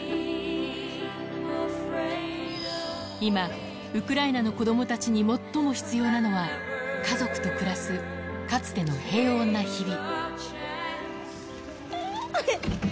今、ウクライナの子どもたちに最も必要なのは、家族と暮らすかつての平穏な日々。